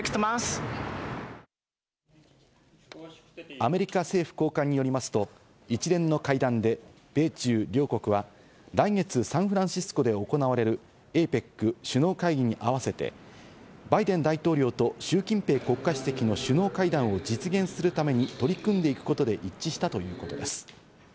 アメリカ政府高官によりますと、一連の会談で米中両国は来月、サンフランシスコで行われるＡＰＥＣ首脳会議に合わせて、バイデン大統領と習近平国家主席の首脳会談を実現するために取り組んでいくことで一致したということです。